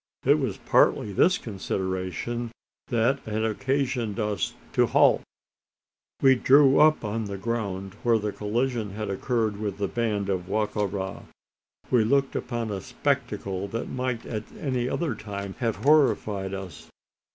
It was partly this consideration that had occasioned us to halt. We drew up on the ground where the collision had occurred with the band of Wa ka ra. We looked upon a spectacle that might at any other time have horrified us.